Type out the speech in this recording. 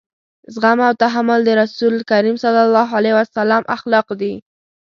زغم او تحمل د رسول کريم صلی الله علیه وسلم اخلاق دي.